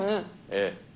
ええ。